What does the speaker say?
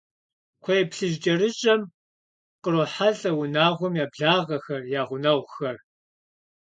КхъуейплъыжькӀэрыщӀэм кърохьэлӀэ унагъуэм я благъэхэр, я гъунэгъухэр.